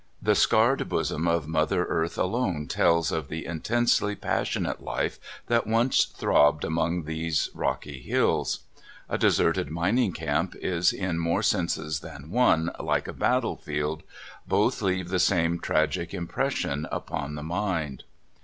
The scarred bosom of Mother Earth alone tells of the intensely passionate life that once throbbed among these rocky hills. A deserted mining camp is in more senses than one like a battlefield. Both leave the same tragic im pression upon the mind.